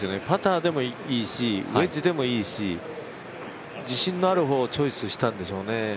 パターでもいいしウェッジでもいいし自信のある方をチョイスしたんでしょうね